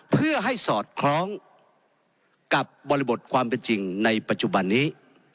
เพื่อให้สอดคล้องกับบริบทความเป็นจริงในปัจจุบันนี้